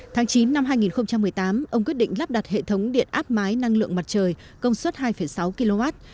tháng chín năm hai nghìn một mươi tám ông quyết định lắp đặt hệ thống điện áp mái năng lượng mặt trời công suất hai sáu kw